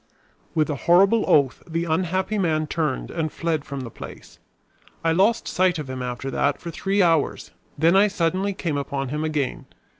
With a horrible oath the unhappy man turned and fled from the place. I lost sight of him after that for three hours, then I suddenly came upon him again.